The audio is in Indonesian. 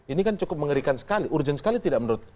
ini kan cukup mengerikan sekali urgent sekali tidak menurut